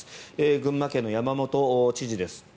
群馬県の山本知事です。